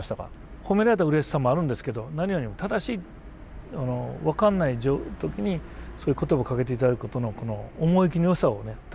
褒められたうれしさもあるんですけど何よりも正しい分かんない時にそういう言葉をかけていただくことのこの思い切りのよさを助ける部分大きかったですね。